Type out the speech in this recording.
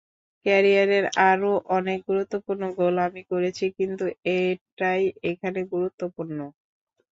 ক্যারিয়ারে আরও অনেক গুরুত্বপূর্ণ গোল আমি করেছি, কিন্তু এটাই এখানে গুরুত্বপূর্ণ।